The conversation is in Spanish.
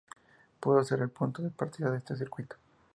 Pudo ser el punto de partida de este circuito.